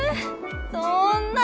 そんな！